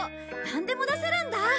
なんでも出せるんだ！